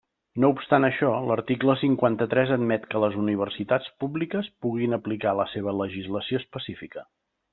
No obstant això, l'article cinquanta-tres admet que les universitats públiques puguin aplicar la seva legislació específica.